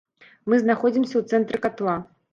Мы знаходзімся ў цэнтры катла.